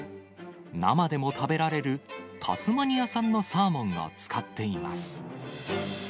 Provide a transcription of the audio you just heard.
生でも食べられるタスマニア産のサーモンを使っています。